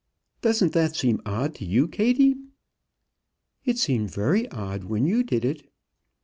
Doesn't that seem odd to you, Kattie?" "It seemed very odd when you did it."